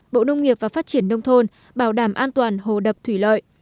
bộ nông nghiệp và phát triển nông thôn bảo đảm an toàn hồ đập thủy lợi